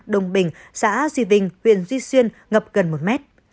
đông bình xã duy vinh huyện duy xuyên ngập gần một mét